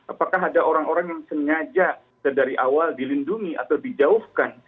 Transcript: apakah ada orang orang yang sengaja dari awal dilindungi atau dijauhkan